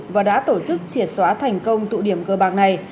và đã tổ chức triệt xóa thành công tụ điểm cơ bạc này